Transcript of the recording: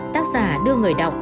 tác giả đưa người đọc